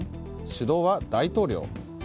主導は大統領？